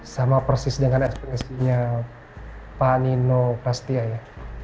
sama persis dengan ekspresinya pak nino prastia ya